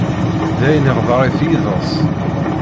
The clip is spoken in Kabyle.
D ayen, iɣder-it yiḍes.